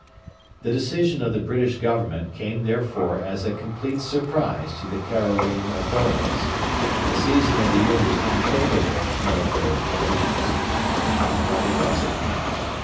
The decision of the British Government came therefore as a complete surprise to the Cairene authorities. The season of the year was unfavourable to military operations. The hot weather was at hand.